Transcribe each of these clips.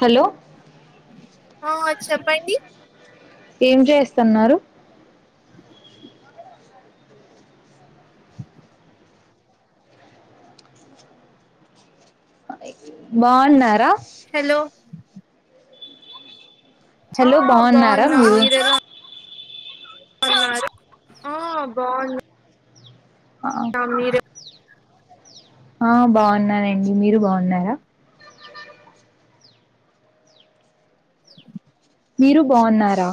Hello ఆ చెప్పండి ఏం చేస్తున్నారు బావున్నారా హలో హలో బావున్నారా బాగున్నాం మీరు అన్నారు ఆ బావున్నా ఆ ఆ మీరు ఆ బావున్నానండి మీరు బావున్నారా మీరు బావున్నారా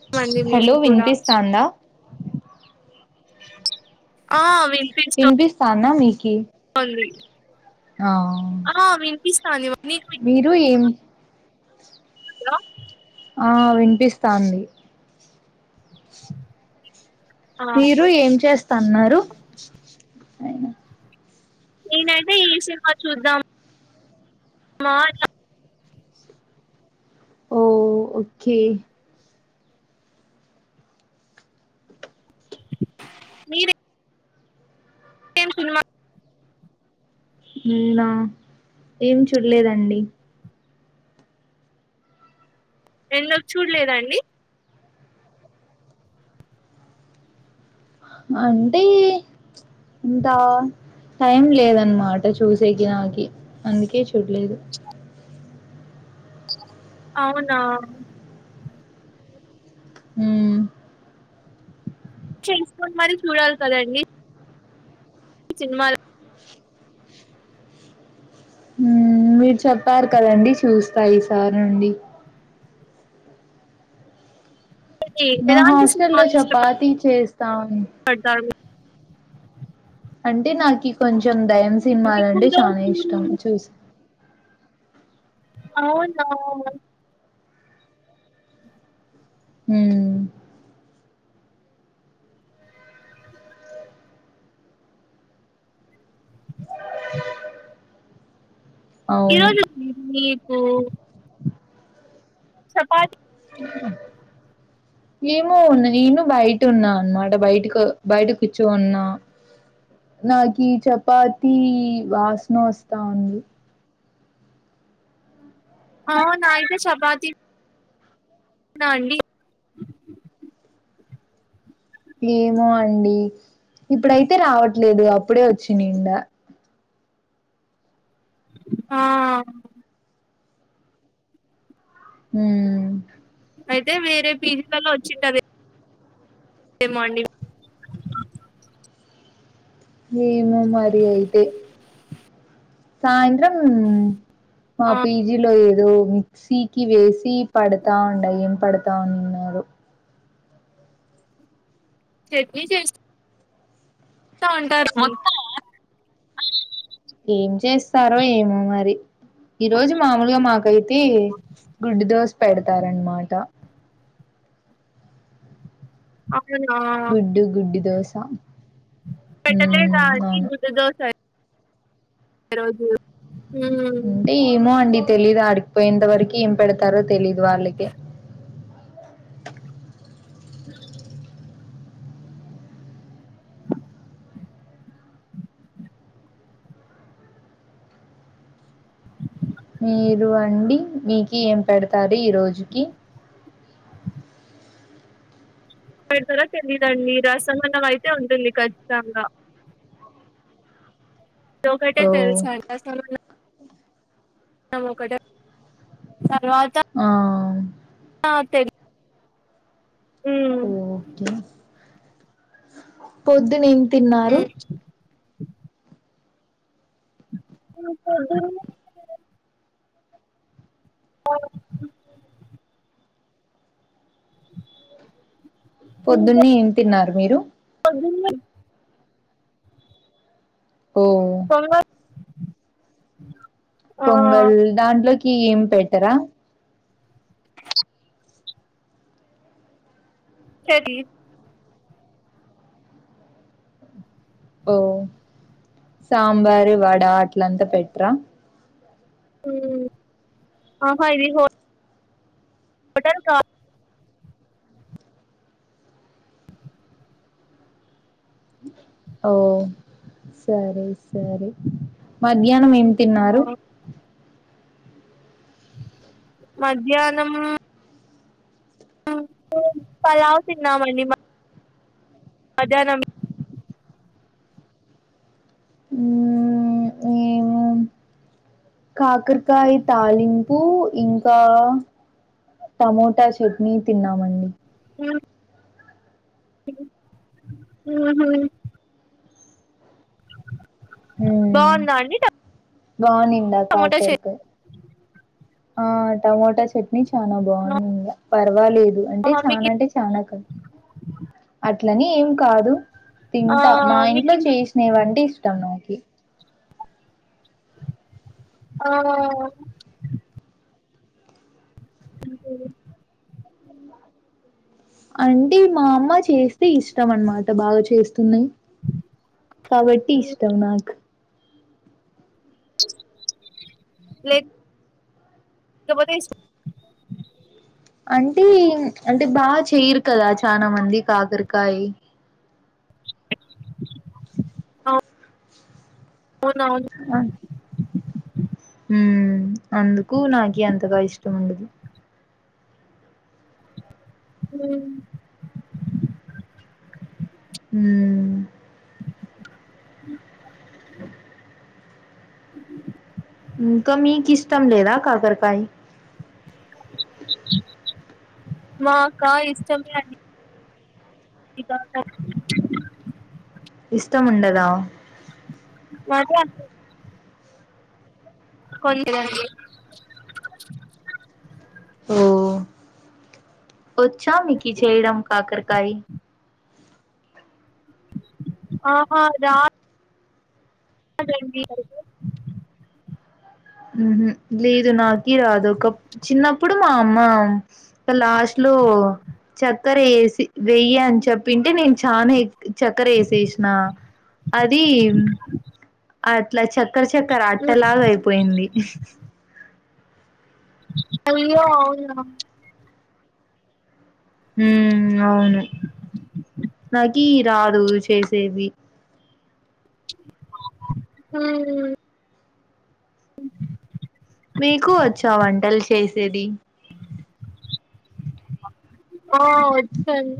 మీరేమండి హలో మీరు కూడా వినిపిస్తాందా ఆ వినిపి వినిపిస్తాందా మీకి స్తోంది ఆ ఆ వినిపిస్తాంది నీకు వి రు ఏమి హలో ఆ వినిపిస్తాంది ఆ మీరు ఏం చేస్తన్నారు నేను నేనైతే ఏం సినిమా చూద్దాం మా అని ఓ ఓకే మీరే ఏం సినిమా నేనా ఏం చూడలేదండి ఎందుకు చూడలేదండి అంటే ఇంతా టైం లేదన్నమాట చూసేకి నాకి అందుకే చూడలేదు అవునా ఉమ్ చేసుకొని మరి చూడాలి కదండి సినిమాలు హ్మ్ మీరు చెప్పారు కదండి చూస్తా ఈసారి నుండి మా ఎలాంటి హాస్టల్లో సినిమాలు చపాతి చేస్తాం [unintelligible] అంటే నాకి కొంచెం దెయ్యం మీకు సినిమాలంటే చానా ఈరోజు ఇష్టం చూసి అవునా ఉమ్ ఈ అవును రోజు మీకు చపాతి ఏమో ఉన్నా నేను బయట ఉన్నా అనమాట బయటకు బయట కూర్చోనున్నా నాకి చపాతి వాసన వస్తా ఉంది అవునా అయితే చపాతి నా అండి ఏమో అండి ఇప్పుడైతే రావట్లేదు అప్పుడే వచ్చినిండా ఆ ఉమ్ అయితే వేరే పీజీ లల్లో వచ్చింటది ఏమోనండి ఏమో మరి అయితే సాయంత్రం మా ఆ పీజీలో ఏదో మిక్సీకి వేసి పడతా ఉండయి ఏం పడతా తా ఉన్నారు చట్నీ చేస్త స్తా ఉంటారు మొత్తం ఏం చేస్తారో ఏమో మరి ఈ రోజు మామలుగా మాకు కైతే గుడ్డు దోశ పెడతారనమాట అవునా గుడ్డు గుడ్డి దోశ పెట్టలేదా ఉమ్ అండి అవును గుడ్డు దోస ఈ రోజు ఉమ్ అంటే ఏమో అండి తెలీదు ఆడికిపోయేంత వరకు ఏం పెడతారో తెలీదు వాళ్ళకే మీరు అండి మీకి ఏం పెడతారు ఈ రోజుకి ఏం పెడతారో తెలీయదండి రసం అన్నం అయితే ఉంటుంది ఖచ్చితంగా లోకటే ఓ తెలుసంట సార్ అందరం ఒకటే తర్వాత ఆ ఆ తే ఓకే పొద్దున ఏం తిన్నారు ఉమ్ అ పొద్దున్నే ఏం తిన్నారు మీరు పొద్దునే ఓ పొంగల్ ఆ పొంగల్ దాంట్లోకి ఏం పెట్టరా చట్నీ ఓ సాంబారు వడ అట్లంతా పెట్రా ఉమ్ ఆహా ఇది మట్టన్ కా ఓ సరే సరే మధ్యాహ్నం ఏం తిన్నారు మధ్యాహ్నం పలావ్ తిన్నామండి మ మధ్యాహ్నం ఉమ్ ఏమో ఉ కాకరకాయ తాలింపు ఇంకా టమోటా చట్నీ తిన్నామండి ఉ ఉహూ బాగుందా అండి ట బావునుంది కాకర కాయ్ ఆ టమోటా చట్నీ చానా బాగునింది పర్వాలేదు అంటే ఆహా చానా మీకు అంటే చానా క అట్లని ఏం కాదు ఆ తింటా మా ఇంట్లో మీకు చేసి నీవంటె ఇష్టం నాకి ఆ అంతే లే అంటే మా అమ్మ చేస్తే ఇష్టం అన్మాట బాగా చేస్తున్నానై కాబట్టి ఇష్టం నాక్ లేక్ కపోతే ఇస్ అంటే ఇన్ అంటే బాగా చేయిర్ కదా చానా మంది కాకర్కాయి అ అవునువును ఆ ఉమ్ అందుకూ నాకి అంతగా ఇష్టం ఉండదు ఉ ఉమ్ ఇంకా మీకిష్టం లేదా కాకర్కాయి మాకా ఇష్టమే అండి ఇ కాక ఇష్టం ఉండదా నాకి అంతే కొన్లేదండి ఓ ఒచ్చా మీకి చేయ్డం కాకర్కాయి ఆ ఆ రాద్ రాదండి ఉహు లేదు నాకి రాదు ఒకప్ చిన్నప్పుడు మా అమ్మా క లాస్ట్లో చక్కర ఎసి వెయ్యి అని చెప్పింటే నేన్ చానా చక్కర వేసేస్నా అది ఉమ్ అట్లా చక్కర చక్కర అట్టలాగా అయిపోయింది. అయ్యో అవ్నా హామ్ అవును నాకీ రాదు చేసేవి హు మీకు వోచ్చా వంటల్ చేసేది ఓ ఒచ్చండి.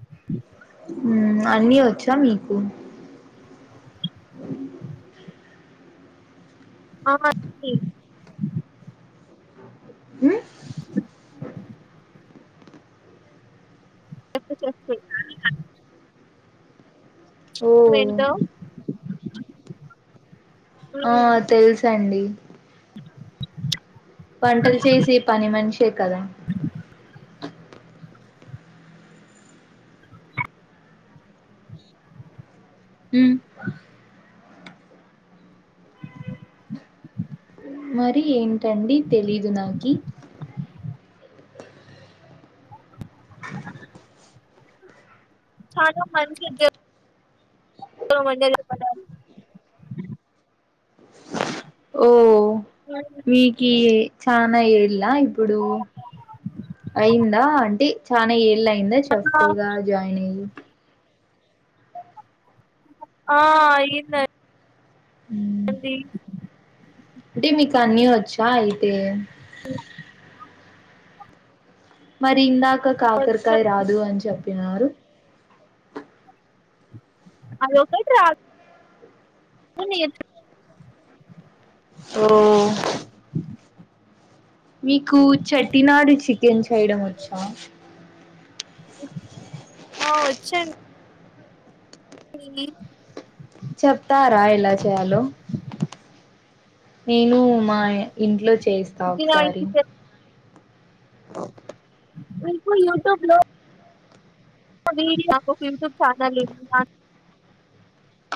[inaudible] ఉమ్ అన్నీ ఒచ్చా మీకు [inaudible] ఆ అండి ఉ కచేసే ఓ ఏంటొ ఆ తెల్సండి. వంటల్ చేసే పని మనిషే కదా ఉ మరి ఏంటండి తెలిది నాకి చానా మంచిగ జెప్ ఓ వండర్ చెప్పాల ఓ మీకీ చానా ఏ లా ఇప్పుడూ, అయిందా అంటే చానా ఏళ్లయిందా చెప్పు ఆ ఉగా జాయిన్ అయి ఆ అయిందన్ ఉ డి మీకు అన్ని వచ్చా అయితే మరి ఇందాక కాకరకాయ్ వచ్చండి రాదు అని చెప్పినారు అది ఒకటి రాదు దుని ఓ మీకు చేటినాడు చికెన్ చేయడం వచ్చా ఆ వచ్చు అన్ డి చెప్తారా ఎలా చేయాలో నేను మా యా ఇంట్లో చేస్తా ఒకసారి మీకు యూట్యూబ్ లో వీడియో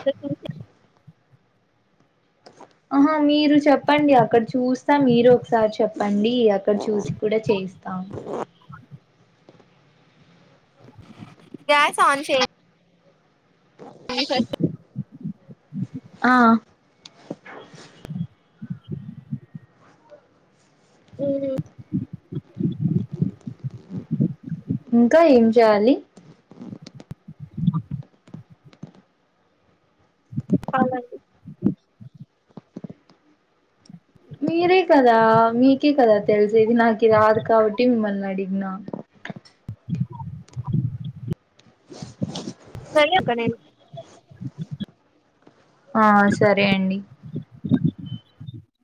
చేకరి ఆహా మీరు చెప్పండి అక్కడ చూస్తా మీరు ఒకసారి చెప్ పండి అక్కడ చూసి కూడా చేయిస్తాం గ్యాస్ ఆన్ చెయ్ డి ఫస్ట్ ఆ ఉ ఇంకా ఏం చేయాలి చెప్పాలండి మీరే కదా మీకే కదా తెలిసేది నాకి రాదు కాబట్టి మిమ్మల్ని అడిగిన చెయ్య అక్క నేన్ ఆ సరే అండి